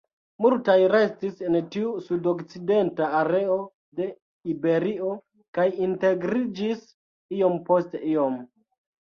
Multaj restis en tiu sudokcidenta areo de Iberio kaj integriĝis iom post iom.